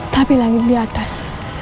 tapi lagi di atas